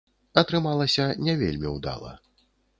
Атрымалася не вельмі ўдала.